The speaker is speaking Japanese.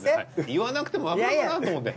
言わなくてもわかるかなと思って。